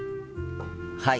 はい。